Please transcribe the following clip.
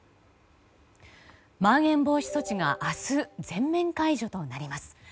まん延防止措置が明日全面解除となります。